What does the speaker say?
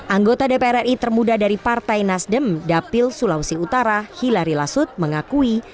anggota dpr ri termuda dari partai nasdem dapil sulawesi utara hilari lasut mengakui